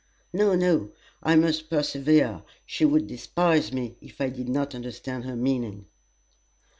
No, no, I must persevere; she would despise me if I did not understand her meaning."